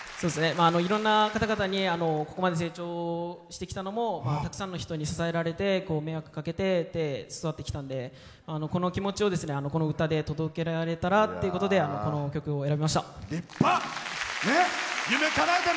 いろんな方々にここまで成長してきたのもたくさんの人に支えられて迷惑かけて育ってきたので、この気持ちをこの歌で届けられたらっていうことでこの曲を選びました。